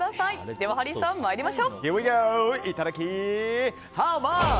ではハリーさん、参りましょう。